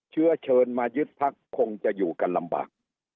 เชิญมายึดพักคงจะอยู่กันลำบาก